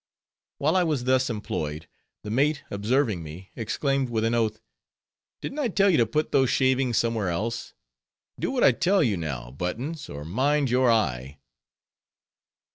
While I was thus employed, the mate observing me, exclaimed with an oath, "Didn't I tell you to put those shavings somewhere else? Do what I tell you, now, Buttons, or mind your eye!"